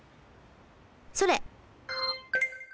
それ。